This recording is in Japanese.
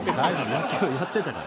野球はやってたから。